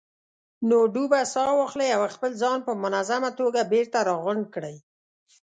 نو ډوبه ساه واخلئ او خپل ځان په منظمه توګه بېرته راغونډ کړئ.